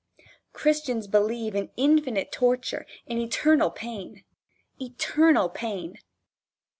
Christians believe in infinite torture, in eternal pain. Eternal Pain!